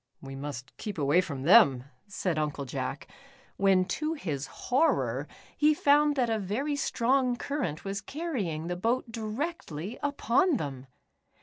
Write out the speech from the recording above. "We must keep away from them," said Uncle Jack, when to his horror, The Lpsidedownians. 149 he found that a very strong current was carr\ing the boat directly upon them